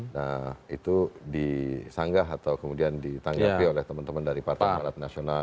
nah itu disanggah atau kemudian ditanggapi oleh teman teman dari partai amanat nasional